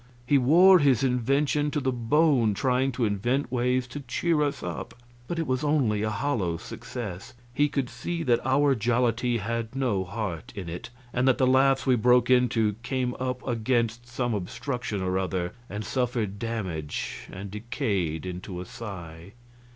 He wore his invention to the bone trying to invent ways to cheer us up, but it was only a hollow success; he could see that our jollity had no heart in it, and that the laughs we broke into came up against some obstruction or other and suffered damage and decayed into a sigh.